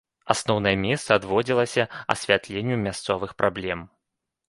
Асноўнае месца адводзіла асвятленню мясцовых праблем.